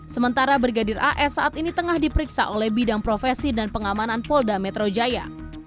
sementara brigadir as saat ini tengah diperiksa oleh bidang profesi dan pengamanan polda metro jaya